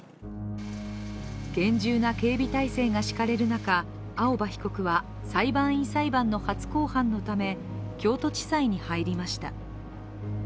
厳重な警備体制が敷かれる中、青葉被告は裁判員裁判の初公判のため京都地裁に入りました。